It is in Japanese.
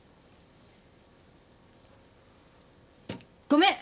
ごめん。